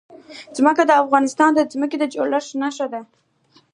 ځمکه د افغانستان د ځمکې د جوړښت نښه ده.